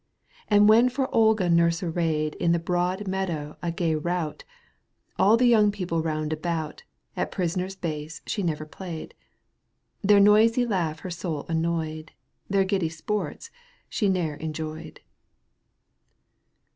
And when for Olga nurse arrayed In the broad meadow a gay rout, All the young people round about, At prisoner's base she never played. ^ Their noisy laugh her soul annoyed, Their giddy sports she ne'er enjoyed.